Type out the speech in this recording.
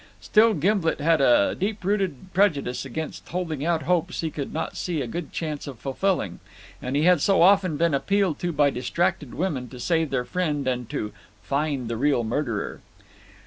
Still Gimblet had a deep rooted prejudice against holding out hopes he could not see a good chance of fulfilling, and he had so often been appealed to by distracted women to save their friend and "find the real murderer."